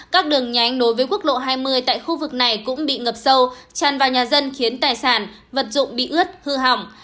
các đường nhánh nối với quốc lộ hai mươi tại khu vực này cũng bị ngập sâu tràn vào nhà dân khiến tài sản vật dụng bị ướt hư hỏng